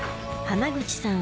濱口さん